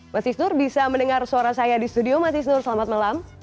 mas isnur bisa mendengar suara saya di studio mas isnur selamat malam